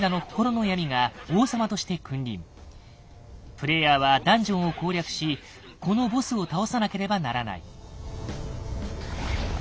プレイヤーはダンジョンを攻略しこのボスを倒さなければならない。